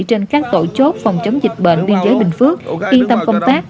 trên các tổ chốt phòng chống dịch bệnh biên giới bình phước yên tâm công tác